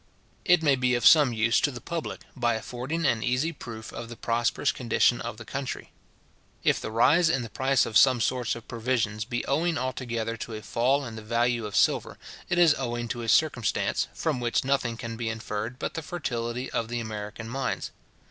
It may be of some use to the public, by affording an easy proof of the prosperous condition of the country. If the rise in the price of some sorts of provisions be owing altogether to a fall in the value of silver, it is owing to a circumstance, from which nothing can be inferred but the fertility of the American mines.